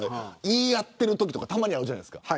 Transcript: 言い合ってるときとかたまにあるじゃないですか。